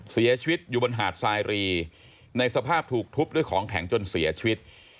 เสียชีวิตอยู่บนหาดสายรีในสภาพถูกทุบด้วยของแข็งจนเสียชีวิต